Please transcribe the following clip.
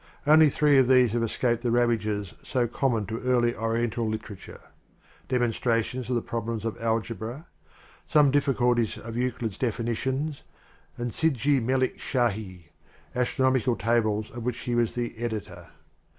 Only three of these have escaped the ravages so common to early Oriental literature; "Demonstrations of the Problems, of Algebra," "Some Difficulties of Euclid's Definitions," and "Zrj i* Me hk Shahi," astronomical tables of which he was the editor.